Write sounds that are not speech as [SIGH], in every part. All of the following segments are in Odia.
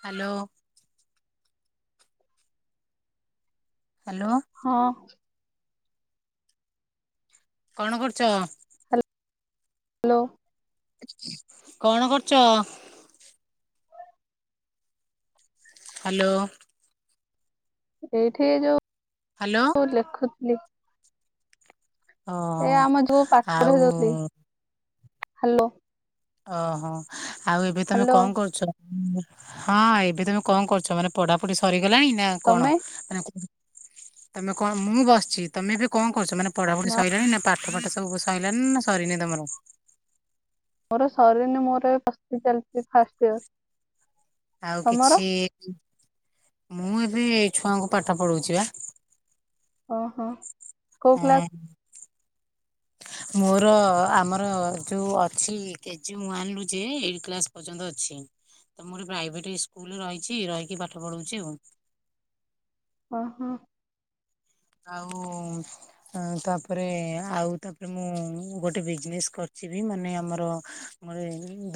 ହାଲୋ ହ୍ୟାଲୋ ହଁ କଣ କରୁଛ? ହାଲୋ କଣ କରୁଛ? ହାଲୋ ଏଇଠି ହ୍ୟାଲୋ ଯୋଉ ଲେଖୁଥିଲି । ଏ ଓହୋ ଆମ ଯୋଉ ପାଠ ପଢା, ଆଉ ହେଇାଉଛନ୍ତି [UNINTELLIGIBLE] ହାଲ ଓହୋ, ଆଉ ଏବେ ତମେ କଣ କରୁଛ? ହଁ ଏବେ ତମେ କଣ କରୁଛ? ମାନେ ପଢାପଢି ସରିଗଲାଣି ନା କଣ ତମେ ମାନେ ହ [UNINTELLIGIBLE] ତମେ କଣ, ମୁଁ ବସିଛି, ତମେ ଏବେ କଣ କରୁଛ, ମାନେ ପଢାପଢି ସରିଲାଣି ନା, ପାଠ ପାଠ ସବୁ ସରିଲାଣି ନା ସରିନି? କେମର [UNINTELLIGIBLE] ମୋର ଶରୀର [UNINTELLIGIBLE] ମୋର ଏ ପ ଚାଲିଛି ଫାଷ୍ଟ ଇର ଆଉ କିଛି, ମୁଁ ଏ ମୁଁ ଏଇ ଛୁଆଙ୍କୁ ପାଠ ପଢଉଛି ବା ଓହୋ କୋଉ କ୍ଲାସ ହଁ ହ [UNINTELLIGIBLE] ମୋର ଆମର ଯେଉଁ ଅଛି, କେଜି ୱାନ ରୁ ଯେ ଏଇଟ୍ କ୍ଲାସ ପର୍ଯ୍ୟନ୍ତ ଅଛି । ତ, ମୁଁ ଗୋଟେ ପ୍ରାଇଭେଟ ସ୍କୁଲ ରହିଛି, ରହିକି ପାଠ ପଢଉଛି ଆଉ ଓ ହୋ ଆଉ ତାପରେ ଆଉ ତାପରେ ମୁଁ ଗୋଟେ ବିଜନେସ୍ କରିଛି। କିଛି ବି ମାନେ ଆମର ଗ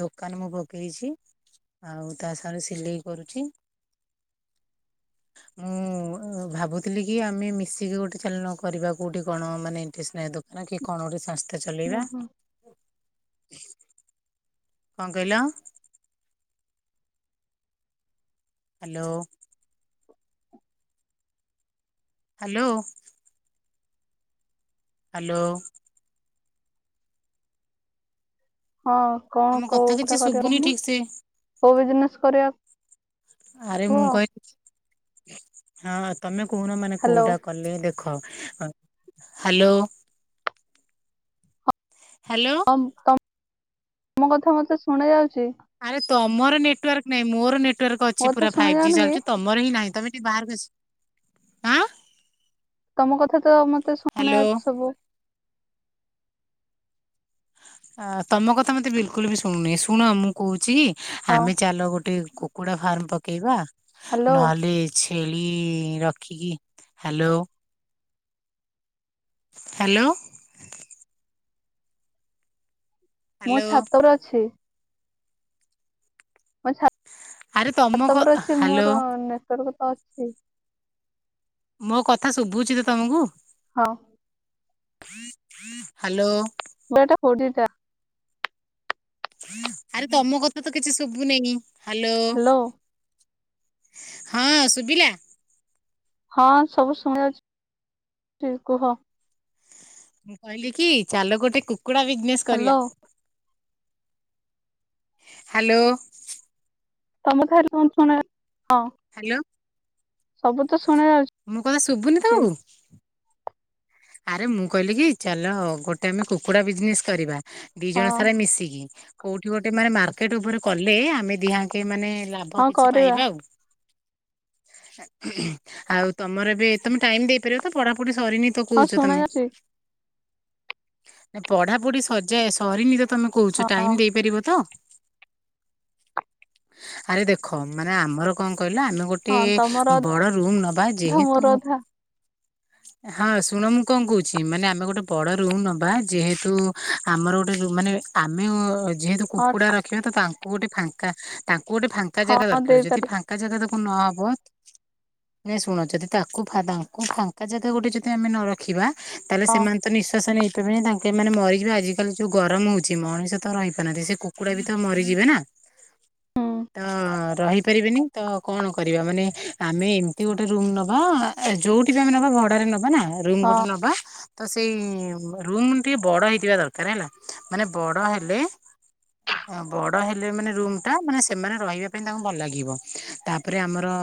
ଦୋକାନ ମୁଁ ପକେଇଛି। ଆଉ ତା ସାଙ୍ଗରେ ସିଲେଇ କରୁଚି। ମୁଁ ଭାବୁଥିଲି କି ଆମେ ମି ସିକି ଗୋଟେ ଚାଲୁନ କରିବା କୋଉଠି କଣ ମାନେ ଟ୍ରେସନାରୀ ଦୋ ନା କି କଣ ଗୋଟେ ସଂସ୍ଥା ଚଲେଇବା। ଓହୋ କଣ କହିଲ? ହାଲୋ। ହାଲୋ। ହାଲୋ। ହଁ କଣ ତମ କୋଉ କଥା କିଛି ଗଟା କରିବା ଶୁଭୁନି କୋହୁନ ଠିକ ସେ କୋଉ ବିଜନେସ କରିବା ଆରେ ମୁଁ କୁହ କହିଲି [INAUDIBLE] ହଁ ତମେ କୋହୁନ ମାନେ ହ୍ୟାଲୋ କୋଉଟା କଲେ ଦେଖ ଖ ଆ ହାଲୋ? ହଁ ତ ତମ କଥା ମତେ ଶୁଣା ଯାଉଛି। ଆରେ ତମର ନେଟୱାର୍କ ନାଇଁ ମୋର ନେଟ ୱାର୍କ ମୋ ଅଛି କଥା ପୁରା ଶୁଣା ଫାଇଜି ଯାଉନି କି ଚାଲୁଛି ତମର ହିଁ ନାହିଁ। ତମେ ଟିକେ ବାହାରକୁ ଆସ ଆଁ ତମ କଥା ତ ମତେ ଶୁଣା ଯାଉଚି ସବୁ। ଆ ତମ କଥା ମତେ ବିଲକୁଲ ବି ଶୁଣୁନି ଶୁଣ ମୁଁ କହୁଚି କି ହଁ ଆମେ ଚାଲ ଗୋଟେ କୁକୁଡା ଫାର୍ମ ପକେଇବା ହ୍ୟାଲୋ ନହେଲେ ଛି ଛେଳି ରଖିକି ହାଲୋ। ହାଲୋ। ମୁଁ ହ୍ୟାଲୋ ଛାତ ଉପରେ ଅଛି। ମୋ ଆରେ ତମ ଛାତ କ ଉପରେ ଅଛି ହ୍ୟାଲୋ ମୋର ତ ନେଟୱାର୍କ ତ ଅଛି। ମୋ କଥା ଶୁଭୁଚି ତ ତମକୁ? ହଁ। [INAUDIBLE] ହାଲୋ। ମୋର ଏଟା ଫୋର ଟା ଆରେ ତମ କଥା ତ କିଛି ଶୁଭୁ ନେଇ ହାଲୋ। ହ୍ୟାଲୋ ହଁ ସୁଭିଲା ହଁ ସବୁ ଶୁଣା ଯାଉଚି କୁହ? ମୁଁ କହିଲି କି ଚାଲ ଗୋଟେ କୁକୁଡା ବିଜନେସ ହ୍ୟାଲୋ କରିବା। ହାଲୋ। ତମ [UNINTELLIGIBLE] କଣ ଶୁଣା ହଁ ହାଲୋ। ସବୁ ତ ଶୁଣା ଯାଉଛି ମୁଁ କଥା ଶୁଭୁନି ତମକୁ। ଆରେ ମୁଁ କହିଲି କି ଚାଲ ଗୋଟେ ଆମେ କୁକୁଡା ବିଜନେସ କରିବା। ଦିଇ ହଁ ଜଣ ସାରା ମିଶିକି କୋଉଠି ଗୋଟେ ମାନେ ମାର୍କେଟ ଉପରେ କଲେ ଆମେ ଦିହାଙ୍କେ ମାନେ ଲାଭ ହଁ କିଛି କରିବା ପାଇବା ଆଉ। ଆଉ ତମର ଏବେ ତମେ ଟାଇମ ଦେଇପାରିବ ତ ପଢାପଢି ସରିନି ତ ହଁ କହୁଛ ଶୁଣା ତମେ ଯାଉଛି। ନା ପଢାପଢି ସଜା ସରିନି ତ ତମେ କହୁଛ ହଁ ଟାଇମ ଦେଇପାରିବ ତ? ଆରେ ଦେଖ ମାନେ ଆମର କ କହିଲ ଆମେ ଗୋଟେ ହଁ ତମର ବଡ ରୁମ ନବା ଅଧା ଯେହେତୁ ମୋର ଅଧା ହଁ ଶୁ ଣ ମୁଁ କଣ କୋହୁଚି ମାନେ ଆମେ ଗୋଟେ ବଡ଼ ରୁମ୍ ନବା ଯେହେତୁ ଆମର ଗୋଟେ ରୁମ୍ ମାନେ ଆମେ ଯେହେତୁ ହଁ କୁକୁଡ଼ା ରଖିବା ତ ତାଙ୍କୁ ଗୋଟେ ଫାଙ୍କା ତାଙ୍କୁ ଗୋଟେ ଫାଙ୍କା ହଁ ଜାଗା ଦରକାର ଯଦି ଦେଇପାରିବି ଫାଙ୍କା ଜାଗା ଦ ନ ହବ ନାଇଁ ଶୁଣ ଯଦି ତାକୁ ତାଙ୍କୁ ଫାଙ୍କା ଜାଗା ଗୋଟେ ଯଦି ଆମେ ନ ରଖିବା ତାହେଲେ ହଁ ସେମାନେ ତ ନିଶ୍ଵାସ ନେଇ ବେନି ତାଙ୍କେ ଏମାନେ ମରିଯିବେ ଆଜିକାଲି ଯୋଉ ଗରମ ହୋଉଚି ମଣିଷ ତ ରହିପାରୁନାହାନ୍ତି। ସେ କୁକୁଡା ବି ତ ମରିଯିବେ ନା। ହୁଁ ତ ରହିପାରିବେନି ତ କଣ କରିବା ମାନେ ଆମେ ଏମିତି ଗୋଟେ ରୁମ ନବା ଯୋ ଯୋଉଠି ବି ଆମେ ନବା ଭଡାରେ ନବା ନା ରୁମ ହଁ ଗୋଟେ ନବା। ତ ସେଇ ରୁମ ଟିକେ ବଡ ହେଇଥିବା ଦରକାର ହେଲା ମାନେ ବଡ ହେଲେ। ବଡ ହେଲେ ମାନେ ରୁମ ଟା ମାନେ ସେମାନେ ରହିବା ପାଇଁ ତାଙ୍କୁ ଭଲ ଲାଗିବ ତାପରେ ଆମର।